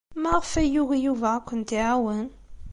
Maɣef ay yugi Yuba ad kent-iɛawen?